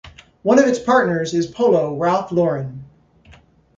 One of its partners is Polo Ralph Lauren.